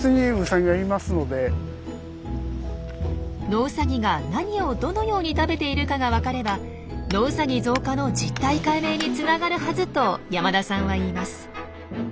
ノウサギが何をどのように食べているかが分かればノウサギ増加の実態解明につながるはずと山田さんは言います。